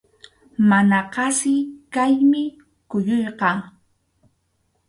Mana qasi kaymi kuyuyqa.